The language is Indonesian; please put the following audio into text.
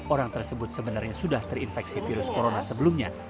orang tersebut sebenarnya sudah terinfeksi virus corona sebelumnya